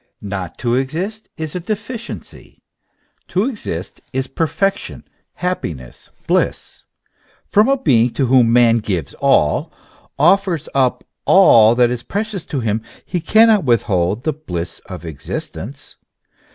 Not to exist is a deficiency ; to exist is perfection, happiness, bliss. From a being to whom man gives all, offers up all that is precious to him, he cannot withhold the bliss of existence.